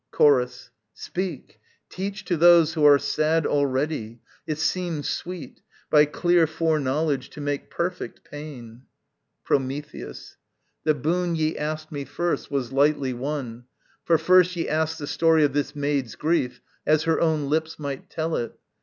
Chorus. Speak: teach To those who are sad already, it seems sweet, By clear foreknowledge to make perfect, pain. Prometheus. The boon ye asked me first was lightly won, For first ye asked the story of this maid's grief As her own lips might tell it.